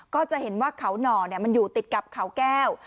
ก็จะเห็นว่าเขาหน่อมันอยู่ติดกับเขาแก้ว